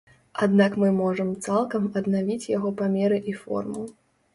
Аднак мы можам цалкам аднавіць яго памеры і форму.